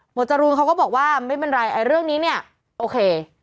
จรูนเขาก็บอกว่าไม่เป็นไรเรื่องนี้เนี่ยโอเค